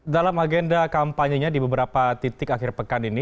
dalam agenda kampanyenya di beberapa titik akhir pekan ini